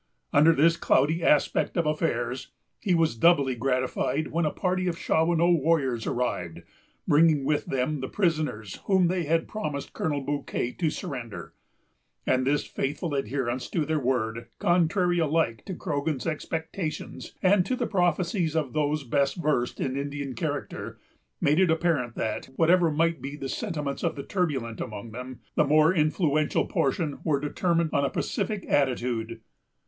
Under this cloudy aspect of affairs, he was doubly gratified when a party of Shawanoe warriors arrived, bringing with them the prisoners whom they had promised Colonel Bouquet to surrender; and this faithful adherence to their word, contrary alike to Croghan's expectations, and to the prophecies of those best versed in Indian character, made it apparent that, whatever might be the sentiments of the turbulent among them, the more influential portion were determined on a pacific attitude.